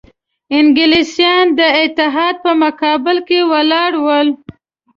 انګلیسیان د اتحاد په مقابل کې ولاړ ول.